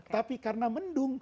tapi karena mendung